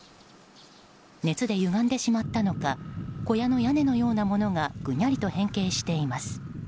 熱でゆがんでしまったのか小屋の屋根のようなものがぐにゃりと変形しています。